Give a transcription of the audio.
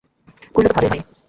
করলে তো ভালই হয়।